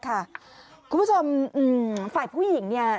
คุณผู้ชมฝ่ายผู้หญิงเนี่ย